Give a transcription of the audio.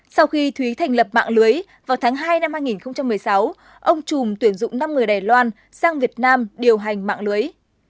sau khi thúy thành lập mạng lưới vào tháng hai năm hai nghìn một mươi sáu ông trùm tuyển dụng năm người đài loan sang việt nam điều hành mạng lưới